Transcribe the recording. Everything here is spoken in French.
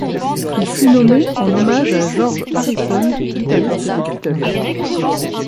Il fut nommé en hommage à George Harrison, guitariste des Beatles.